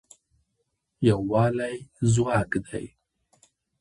یووالی ځواک دی